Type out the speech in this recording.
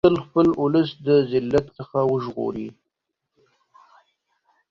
هغه غوښتل خپل اولس له ذلت څخه وژغوري.